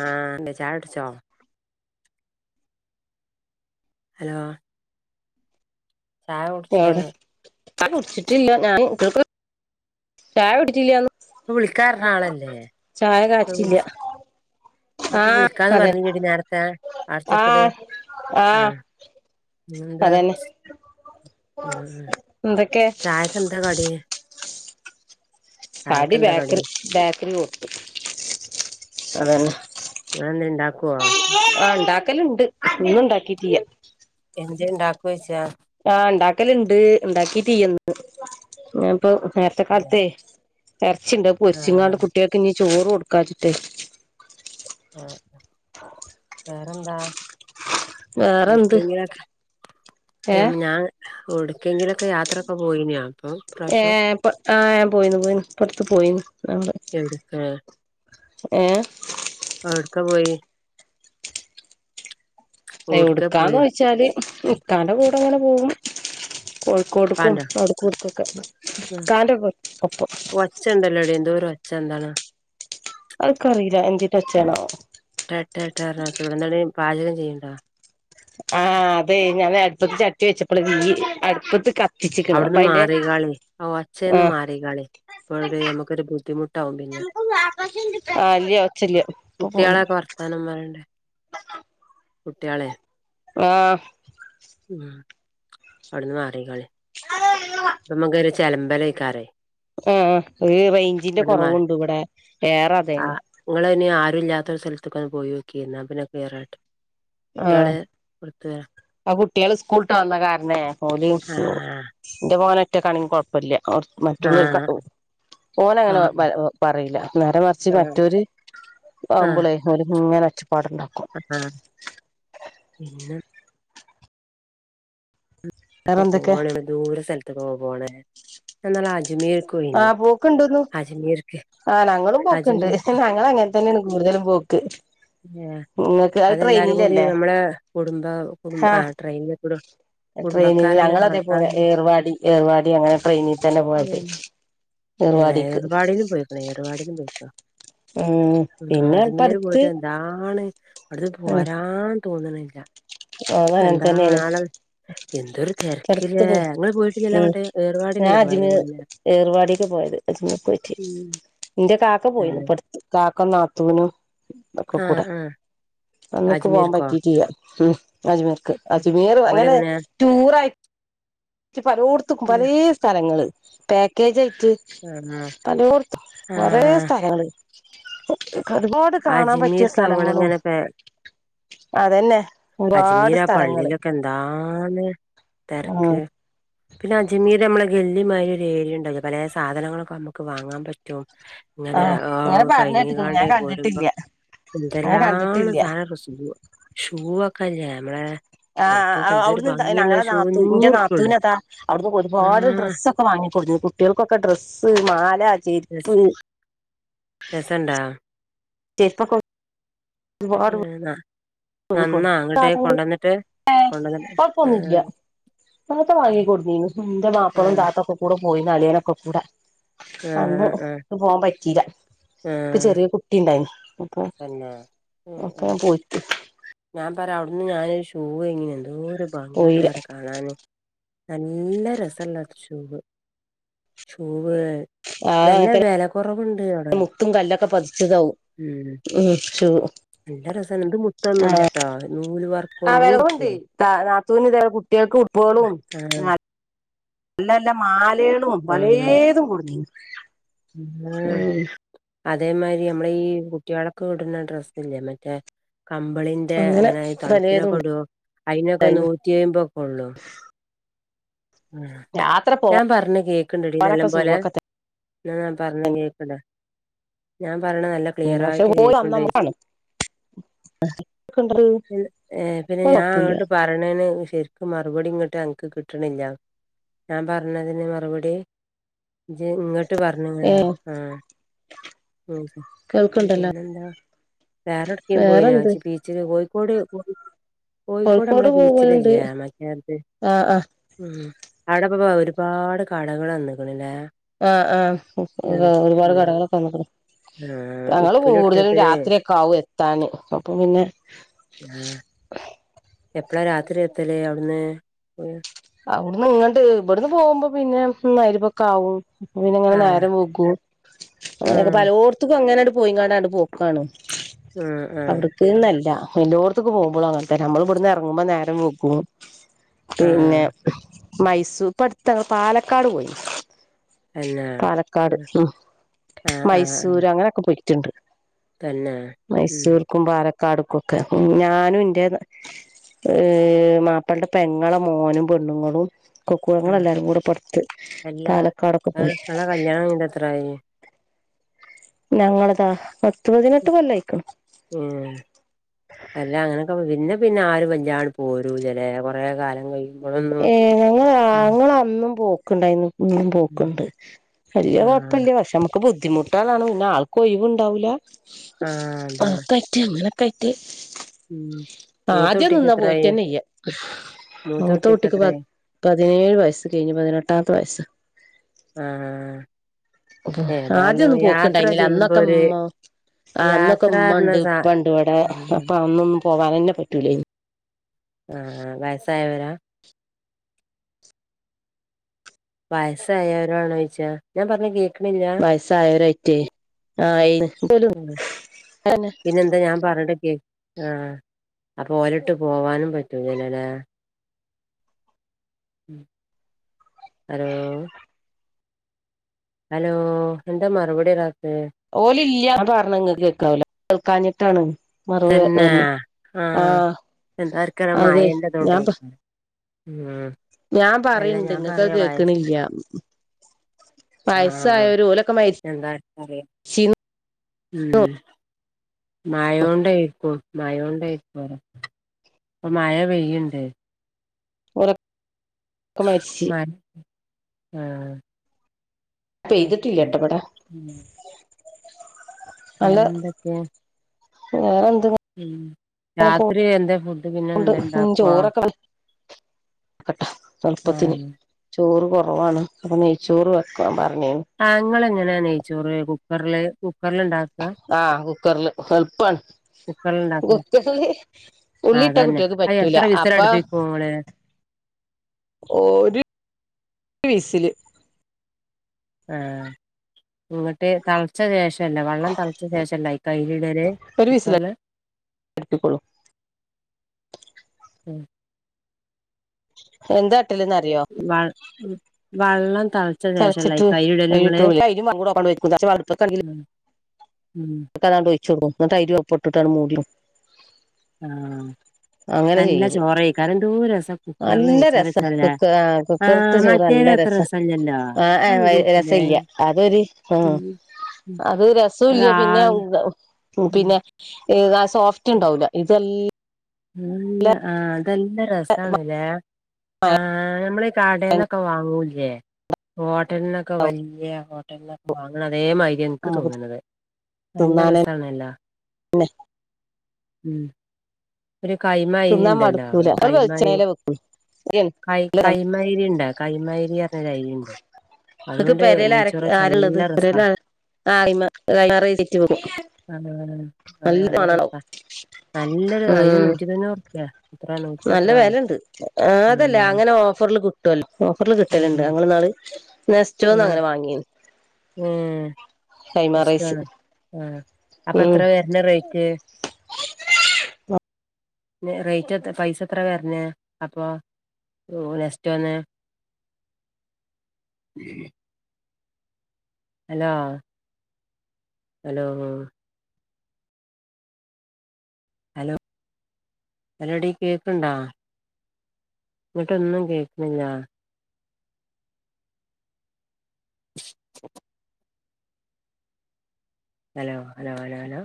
ആഹ് നീ ചായ കുടിച്ചോ? ഹലോ? ചായ എവിടെ കുടിച്ചോന്ന് ആ കുടിച്ചിട്ടില്ല ഞാൻ കുട്ടില്ക് ചായ കുടിച്ചില്ലന്ന് ഇപ്പം വിളിക്കാർനാളല്ലേ ചായ ഇപ്പ കാച്ചില്ല വിളിച്ച് ഇജ്പ്പോ ആഹ് വിളിക്കാന്ന് അതെ പറഞ്ഞില്ലേടി നേരത്തെ വാട്സആപ്പില് ആഹ് ആ. ആഹ് എന്താ അതന്നെ എന്തൊക്കെ ചായക്ക്ന്താ കടി. കടി ബേക്കറി, ബേക്കറി കൊത്തു അതന്നെ. നിങ്ങൾ എന്തേ ഉണ്ടാക്കുവോ? ആഹ് ഉണ്ടാക്കലുണ്ട് ഇന്ന് ഉണ്ടാക്കിയിട്ടില്യ. ഇഞ്ച ഉണ്ടാക്ക്‌വെച്ചാ ആഹ് ഉണ്ടാക്കല ഇണ്ട് ഉണ്ടാക്കിതീയ്ന്ന് അപ്പൊ ല്ലേ? [unintelligible] ഇറച്ചിണ്ട് ആഹ് പൊരിച്ചുങ്ങാണ്ട് കുട്ടിയാക്ക് ഞ്ഞി ചോറ്കൊടുക്കാച്ചിട്ട്. ആ വേറെന്താ? വേറെന്ത് ഒട്ക്കെങ്കിലാക് [unintelligible] ഏഹ് ഞാ ഓടുക്കെങ്കിലൊക്കെ യാത്രൊക്കെ പോയിനാ? ഏ ആഹ ഞാൻ പോയിന്നു. പോയിന്നു പട്ത്ത് പോയിന്നു നമ്മള്. എവിട്ക്ക് ഏ ഒട്ക്കാ പോയി? എവിട്ക്കാ പോയി എവ്ട്ക്കാന്നോയ്ച്ചാല് ഇക്കാന്റെ കൂടങ്ങനെ പോവും. കോഴിക്കോട്ക്കും പ്പാന്റോ ഔട്ക്കും, ഇവട്കൊക്കെ ഇകാന്റെ ഒപ്പം. ഒച്ചണ്ടല്ലടി എന്തോരൊച്ച എന്താണ്? അത്ക്കറീല എന്തിൻ്റച്ചേണാവോ? ട്ടാ ട്ടാ ട്ടാ ർഞ്ഞ ഒച്ച എവടന്നെടീ പാചകം ചെയ്യ്ണ്ടോ? ആ അതെ ഞാന് അടുപ്പത്ത് ചട്ടി വെച്ചപ്പളെ തിയ് അട്പ്പത്ത് ക അവിട്ന്ന് മാറികാളി ആ ആ ഒച്ചേന്ന് മാറികാളി. അപ്പഴെ നമുക്കൊരു ബുദ്ധിമുട്ടാവും പിന്നെ. ആ ഇല്ല്യ ഒച്ചല്ല്യ ഇപ്പൊ പോന്ന് കുട്യാളൊക്കെ വർത്താനം പറിണ്ടേ കുട്യാളെ. ആഹ് ഉം അവിട്ന്ന് മാറിക്കാളി. [inaudible] നമ്മക്കൊരേ ചെലമ്പലക്കാരെയ്. ആ ആ ഒര് റൈഞ്ചിന്റെ കൊറവുണ്ട് ഇവടെ ഏറെ അതേന്നു. ഇങ്ങളൈന് ആരുല്ലാത്തൊരു സ്ഥൽത്ത്ക്കൊന്ന് പോയോക്കീ ന്നാ പിന്നെ ക്ലിയറായി ആ കുട്യാള് [unintelligible] ആ കുട്യാള് സ്കൂൾട്ട് വന്ന കാര്ണേ ഓല് ആഹ് ഇൻ്റെ മോന് ഒറ്റക്കാണെങ്കി കൊഴപ്പല്ല. മറ്റുള്ളവർക്ക് ആഹ് ഓനങ്ങനെ ആഹ് പ പറീല നേരെ മറിച്ച് മറ്റോര് ആവ്മ്പളെ ഓര്ങ്ങനെ ഒച്ചപ്പാട്ണ്ടാക്കും. ആ പിന്നെ വേറെ അപ്പ എന്തൊക്കെ പോവാണങ്കി ദൂര സ്ഥൽത്ത്ക്കൊക്കേ പോണെ ഞാന്നാള് അജ്മീർ ആ പോക്ക്ണ്ട്ന്ന് ആ ഞങ്ങളും പോക്ക്ണ്ട് അജ്മീർ ഞങ്ങളങ്ങനെ തന്നേണ് കൂട്തലും പോക്ക്. ഏ നിങ്ങൾക്ക് അത് അതെല്ലാരും കൂടി ട്രെയിനിലല്ലേ നമ്മളെ കുടുംബ കുടംബ ആ ട്രെയിന്ക്കൂടെ ട്രെയിനില് ഞങ്ങളതെ പോലെ ഏർവാടി ഏർവാടി അങ്ങനെ ട്രെയിന് തന്നെ പോയത്. ഏ ഏർവാടിക്ക് ഏർബാടീലും പൊയ്ക്ണ് ഏർവാടീലും പൊയ്ക്ക്ണ് ഉം പിന്നെ ഇപ്പ അജ്മീര് അടുത്ത് പോയിട്ട് എ ന്താണ് അവിട്ന്ന് ഉം പോരാ തോന്ന്ണ്ല്യാ അത് അങ്ങനെ തന്നെയാണ് എന്താണ്. എന്തൊര് അടുത്ത് തെരക്ക്ലെ പോയി ഇങ്ങള് പോയിട്ടില്ലല്ലോ അങ്ങട്ട് ഏർവാടിലല്ലോ പോയത് ഇങ്ങള്ലെ. ഏർവാടീക്കാ പോയത് അജ്മീർക്കോയ്റ്റ് ന്റെ കാക്ക പോയീന്ന് തന്നെ ഇപ്പ കാക്ക നാത്തൂനും ആ ഒക്കകൂടെ ആ അന്ന്ക്ക് പോവാൻ അജ്മീർക്കോ പറ്റീട്ട്യ്യ. ഉം അജ്മീർക്ക് അജ്മീർ അങ്ങനെ ഓലെങ്ങനെ റ്റൂറായി പലോട്ത്ത്ക്കും പലേ സ്ഥലങ്ങള് പേക്കേജായ്ട്ട്. ആ പലോർത്തും ആ കൊറെ സ്ഥലങ്ങള് ഒരുപാട് കാണാൻ പറ്റിയ അജ്മീർക്ക് സ്ഥലങ്ങളും ഞങ്ങളിങ്ങനെ പെ അതന്നെ. അജ്മീർ ഒരുപാട് ആ സ്ഥലങ്ങള് പള്ളീലൊക്കെ എന്താണ് ഉം തെര്ക്ക്. പിന്നെ അജ്മീര് അമ്മളെ ഗെല്ലിമാരി ഒരു ഏര്യണ്ടല്ലോ പലേ സാധനങ്ങളൊക്കെ അമ്മക്ക് വാങ്ങാ പറ്റും. [inaudible] ഇങ്ങനെ ആഹ് അങ്ങനെ കഴിഞ്ഞ് പറഞ്ഞേട്ട്ക്ക്ണ് കാണ്ട് ഞാൻ കണ്ടിട്ടില്ല പോരുമ്പം ഞാൻ എന്തെല്ലാണ് കണ്ടിട്ടില്ല സാധന സൂ ഷൂ വൊക്കല്യേ അമ്മളെ ആ ഔട്ന്ന് ഞങ്ങളെ നാത്തു ഇന്റെ നൂറുപ്യള്ളൂ നാത്തൂനതാ അവിട്ന്ന് ഒരുപാട് ആഹ് ഡ്രസ്സൊ ക്കെ വാങ്ങിക്കൊട്ന്നീനു കുട്യാക്കൊക്കെ ഡ്രസ്സ്, മാല, ചെര്പ്പ് സണ്ടാ? [unintelligible] [unintelligible] ആ നന്നാ വാങ്ങിക്കൊടുന്നു ഇങ്ങട്ട് സാധനങ്ങൾ കൊണ്ടന്ന്ട്ട് കൊണ്ടന്ന് ഏ ത്ത വാങ്ങിക്കൊട്ന്നീനു ഇന്റെ മാപ്പളിം ആഹ് താത്തൊക്കെകൂടെ പോയീന്ന് അളെനൊക്കെ കൂടെ. അന്ന് ആഹ് ആഹ് ഇക്ക് പോവാൻ പറ്റില ഇക്ക് ആഹ് ചെറിയ കുട് ട്ടിണ്ടായ്ന്നു അപ്പൊ തന്നെ ഉം അപ്പ ഉം ഞാൻ പോയിട്ട് ഞാൻ പറ്യാ അവിട്ന്ന് ഞാനൊരു ഷൂവേങ്ങീന്നു എന്തോരു പോയില്ല ഭംഗിണ്ടാറിയൊ കാ കാണാന് നല്ല രസള്ള ഷൂവ്. ഷൂവ് ആ നല്ല [unintelligible] വെല കൊറവുണ്ട് അവിടെ മുത്തും കല്ലൊക്കെ പതിച്ചതാവും ഉം [unintelligible] നല്ല രസണ്ട് ഇത് മുത്തൊന്നും ഇല്ലട്ടോ നൂല് വർക്ക് ആ വിലവുണ്ട് നാത്തൂന് ഇത കുട്ടികൾക്ക് ഫുട്ബോളും ആഹ് നല്ല നല്ല മാലേളും ആഹ് പലേതും കൊട്ന്നീനി [unintelligible] അതേമായ്രി നമ്മളീ കുട്ട്യേള്ക്ക് ഇട്ണ ഡ്രസ്സ്ല്ലേ മറ്റേ കമ്പളിൻ അങ്ങനെ തണുപ്പിനൊക്കെ ഇടു അതിനൊക്കെ ഉണ്ടായിനു നൂറ്റി അയ്മ്പൊ ഒക്കെ ഉള്ളു യാത്ര ഞാൻ പറഞ്ഞ കേക്ക്ണ്ടടീ നല്ല പോവാനൊക്കെ പോലെ സുഖൊക്കെ എന്നാ ഞാൻ പറഞ്ഞ കേൾക്ണ്ടോ ഞാൻ പറഞ്ഞ നല്ല തന്നെയാണ് പക്ഷെ ക്ലിറായിട്ട് പോയി വന്ന കേക്ക്ണ്ടോയ്ച്യാ നമ്മക്കാണ് കേൾക്ക്ണ്ടോ എൻ ഏഹ് പിന്നെ ഞാൻ കൊഴപ്പല്ല അങ്ങട്ട് പർ കണേന് ശരിക്കും മറുപടി ഇങ്ങോട്ട് അൻക്ക് കിട്ടണില്ല ഞാൻ പറഞ്ഞതിന് മറുപടി ജി ഇങ്ങട്ട് പറഞ്ഞങ്ങനോ ഏഹ് ആ ഉം കേൾക്ക്ണ്ടല്ലോ പിന്നെന്താ വേറെട്ക്കേ പോയീനോ വേറെന്ത് ച്ചി ബീച്ചില് കോഴിക്കോട് കോഴിക്കോട് നമ്മളെ ബീച്ചില്‌ല്ലേ മറ്റേത് ആ ആ ഉം അവിടപ്പ ഒരുപാട് കടകൾ വന്ന് ക്ക്ണ്ല്ലേ ആ ആ ഒരുപാട് കടകളൊക്കെ വെന്ന്ക്ണു ആഹ് ഞങ്ങള് കൂടുതലും ഉപ്പിലിട്ടത് രാത്രി കാവുംഎത്താന് അപ്പൊ പിന്നെ [unintelligible] എപ്പോളാ രാത്രി എത്തല് അവിടുന്ന് പോ അവ്ട്ന്ന് ഇങ്ങട് ഇബട്ന്ന് പോവുമ്പ പിന്നെ മയ്രിബൊക്കാവും പിന്നെങ്ങനെ ആഹ് നേരം പോക്കു അങ്ങന ആഹ് പലോട്ത്ത്ക്കും അങ്ങനെട് പോയി കാണ്ട് പൊക്കാണ് ആഹ് ആഹ് [unintelligible] ന്നല്ല എല്ലോട്ത്ത്ക്ക് പോകുമ്പളും അങ്ങനത്തെന്നെ നമ്മൾ ഇവിടുന്ന് ഇറങ്ങുമ്പോ നേരം വൈകും പിന്നെ ആഹ് മൈസൂർ ഇപ്പ അടുത്തങ്ങൾ പാലക്കാട് പോയി അന്നെ പാലക്കാട് ഉം ആഹ് ആഹ് മൈസൂര് അങ്ങനെയൊക്കെ പോയിട്ടുണ്ട് തന്നെ ഉം മൈസൂർക്കും, പാലക്കാട് ഒക്കെ ഞാനും ഇന്റെ ഏഹ് മാപ്പൾന്റെ പെങ്ങളെ മോനും പെണ്ണ്ങ്ങളും കൊ ആഹ് കുടുംബെല്ലാരും കൂടെ പൊർത്ത് പാലക്കാടൊക്കെ പോയ് [unintelligible] ത്രായി ഞങ്ങളതോ പത്തുപതിനെട്ട് കൊല്ലായിക്ക്ണ് ഏ അല്ല അങ്ങനൊക്കെ പിന്നെ പിന്നെ ആരും വെല്ലാണ്ട് പോരൂലലേ കൊറേ കാലം കയ് ഏ ഞങ്ങ ഞങ്ങ അന്നും പോക്ക്ണ്ടായിരുന്നു ന്നും ഉം പോക്ക്ണ്ട് വല്യ ആഹ് കാെഴപ്പില്ല്യാ പഷെ മ്മ ബുദ്ധിമുട്ടാലാണ് പിന്നെ ആൾക്ക ഒഴിവുണ്ടാവില്ല ആഹ് അതാണ് ഉം [unintelligible] ആദ്യം മൂത്തകുട്ടിക്ക് നിന്നാ എത്രായി പോയിട്ടന്നെ ഇയ്യ മൂത്ത മൂത്തകുട്ടിക്ക് കുട്ടിക്ക് പ എത്രായി പതിനേഴ് വയസ്സ് കഴിഞ്ഞ് പതിനെട്ടാമത്തെ വയസ്സ് ആ ആ ആഹ് ഏതായാലും ആദ്യന്നും യാത്ര പോക്ക്ണ്ടായ്ഞ്ഞില്ല ചെയ്യുമ്പോ അന്നൊക്കെ ഒരു മ്മ ആഹ് അന്നൊക്കെ യാത്ര പറഞ്ഞ ഇമ്മണ്ട് സാ ഇപ്പണ്ട് ഇവിടെ ആഹ് അപ്പൊ അന്നൊന്നും പോവാനന്നെ പറ്റൂലേനി ആ ആ വയസ്സായവരാ വയസ്സായോരാണോ യിച്ച ഞാൻ പറഞ്ഞ കേ വയസ്സായോരാറ്റേ ആയീണ് പിന്നെ എന്താ ഞാൻ പറഞ്ഞിട്ട് കേ ആ അപ്പൊ ഓലട്ട് പോവാനും പറ്റൂലല്ലോ ല്ലേ ഹേലോ ഹലോ എന്താ മറുപടി വരാത്തേ ഓല് ല്യാ പർഞ്ഞങ്ങക്ക്‌ കേക്കാവല കേൾക്കഞ്ഞിട്ടാണ് മറവ് വെര്ന് ആ എന്താർക്കര മായന്റെതോണ്ടേ ഉം ഞാൻ അല്ല പറയണ്ട് ഞാൻ നിങ്ങൾക്ക് പറയാ വയസ് കേക്കണില്ല. വയസ്സായോര് ഓലൊക്കെ മര് അതെ ഉം മായോണ്ടായിയിരിക്കും മായോണ്ടായിയിരിക്കും. പ്പൊ മഴ പെയ്യ്ണ്ട് ഓലൊക്കെ മരിച്ച് [unintelligible] പെയ്തിട്ടില്ലട്ടെ പടെ ഉം പിന്നെന്തൊക്കെ? വേറെന്താ ഉം രാത്രി എന്തെ ഫുഡ് പിന്നെ ഉണ്ട് എന്താ ഉം ഇണ്ടാക്കുവാ ചോറൊക്കെ [unintelligible] പത്തിന്. ആഹ് ചോറ് കുറവാണ് അപ്പൊ നെയ്ച്ചോറ് വെക്ക പറഞ്ഞിനി ആ ങ്ങളെങ്ങനെ നയ്ച്ചോറ് കുക്കർല് കു [unintelligible] ആഹ് കുക്കറില് എള്പ്പാണ് കുക്കറില് ഇണ്ടാ [unintelligible] ആഹ് ഉള്ളിട്ടാ അതന്നെ കുട്ടിയത് അത് പറ്റൂല എത്ര അപ്പൊ വിസിലടുപ്പിക്കും ഇങ്ങള് ഒരു വീസില് ആഹ് ഇങ്ങ ട്ട് തൾച്ച ശേഷംല്ല വെള്ളം തൾച്ച ശേഷംല്ല അയ്ക്ക്‌ അയ്രിടല് കുക്കറില്. [inaudible] ക്കുളു [inaudible] എന്താട്ടിലന്ന് അറിയോ? വ വള്ളം തൾ തൾച്ചിട്ട് അയിലിട്ടു [unintelligible] ന്ന് ഉം ട്ടതാണ്ട് ഓയ്ചെക്കും ന്ന്ട്ട് അയ്രി ഒപ്പട്ട്ട്ട് ആണ്ട് മുടിക്കും. ആഹ് അങ്ങനെ നല്ല ചെയ്യല് ചോറായികാര എന്തോര് രസം നല്ല രസ കുക്ക ആഹ് കുക്കറത്ത് ആഹ് ചോറ് മറ്റേന് നല്ല അത്ര രസം രസല്ലല്ലോ ആഹ് അതെന്തേക്കുലേ രസല്ല അതൊരു ഉം. ആഹ് ഉം. അതര് അത് രസുല്ല പിന്നെ ആൾ ഉം. പിന്നെ ഏത് ആ സോഫ്റ്റ് ണ്ടാവ്ല ഇതെല് [unintelligible] ആ അതെല്ല രസണല്ലേ. ആഹ് നമ്മള് ഈ കാടേന്നൊക്കെ വാങ്ങൂല്ലേ ഹോട്ടലിനൊക്കെ വലിയ ഹോട്ടലിനൊക്കെ വാങ്ങണം അതേ മരി എൻക്ക് നമുക്ക് തോന്നണത് നല്ല തിന്നാനന്നെ രസണല്ലോ. ഒരു കൈമാരി തിന്നാൻ ഉണ്ടല്ലോ മടുക്കൂല ഒരു നമ്മള് കൈമാരി വെളിച്ചെണ്ണയില് വെക്കും കൈ കൈമാരി ണ്ട കൈമാരി പറഞ്ഞരൈരി ഉണ്ട്. ങ്ങക്ക് അതുകൊണ്ട് പേരേല് ആര നെയ്ച്ചോറ് വെച്ചാ ആരള്ളത് നല്ല രസാ പേരേല് ആര ആഹ് ആഹ് ആഹ് നല്ല രസാ [unintelligible] നല്ലൊരു അയിന് ഉം നൂറ്റി തൊണ്ണൂറുപ്യ എത്ര നൂറ്റി നല്ല എത്രോ ആണ് വെലേണ്ട് അതല്ലേ അങ്ങനെ ഓഫറില് കിട്ടും കിട്ട ഓഫറിൽ ഉം കിട്ടലണ്ട് ഞങ്ങൾാള് നെസ്റ്റോന്ന് അങ്ങനെ വാങ്ങീനി ഉം കൈമാ റൈസ് ഇഷ്ട്ടാണ് ആഹ അപ്പൊ എത്ര ഉം വരണ റേറ്റ്. ന്നെ റേറ്റ് എത്ത് പൈസ എത്ര വര്ന് അപ്പൊ? ഓ നെസ്റ്റ് വന്നെ ഹലോ ഹലോ ഹലോ ഹലോ ഡി കേക്കണ്ടോ ഇങ്ങട്ടൊന്നും കേൾക്കണ്ല്ല [inaudible] hello hello hello hello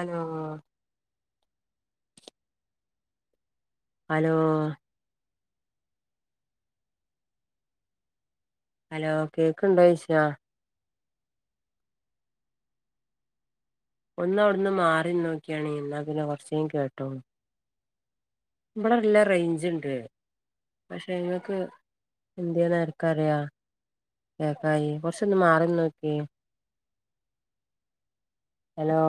hello hello hello കേക്ക്ണ്ടോയ്ച ഒന്നവിടുന്ന് മാറി നിന്നോക്കിയാണി എന്നാപിന്നെ കുറച്ചേ കേട്ടോളും ഇവിടെ നല്ല റേയ്ഞ്ച്ണ്ട് പക്ഷെ നിങ്ങക്ക് എന്ത്യന്നാർക്കറിയാ കേക്കായി കൊറച്ചൊന്ന് മാറിനിന്നോക്കി ഹലോ